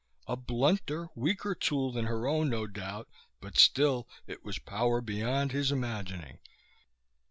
A blunter, weaker tool than her own, no doubt. But still it was power beyond his imagining.